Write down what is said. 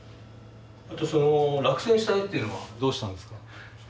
その落選した絵というのはどうしたんですか？